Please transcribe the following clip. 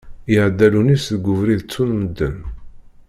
Iεedda Lunis deg ubrid ttun medden.